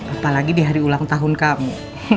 apalagi di hari ulang tahun kamu